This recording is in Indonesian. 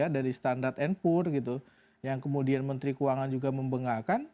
dari standar npur yang kemudian menteri keuangan juga membengahkan